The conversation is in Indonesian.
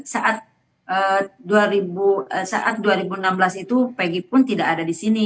saat dua ribu enam belas itu pegg pun tidak ada di sini